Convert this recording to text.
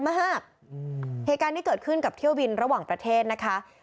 เหตุการณ์ที่เกิดขึ้นกับเที่ยวบินระหว่างประเทศนะคะ